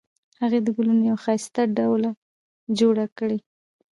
هغې د ګلونو یوه ښایسته ډوله جوړه کړې